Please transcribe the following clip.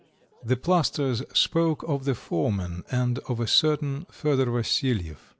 The plasterers spoke of the foreman, and of a certain Fyodot Vasilyev.